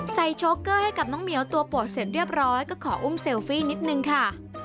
โชคเกอร์ให้กับน้องเหมียวตัวปวดเสร็จเรียบร้อยก็ขออุ้มเซลฟี่นิดนึงค่ะ